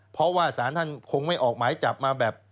เพราะว่าสารท่านคงไม่ออกหมายจับมาแบบ